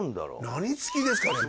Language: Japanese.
何付きですかね？